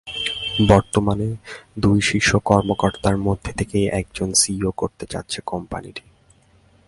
বর্তমান দুই শীর্ষ কর্মকর্তার মধ্য থেকেই একজনকে সিইও করতে চাচ্ছে কোম্পানিটি।